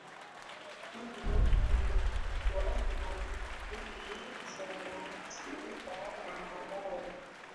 hilo lilikumbwa na vurugu za waathirika wa madawa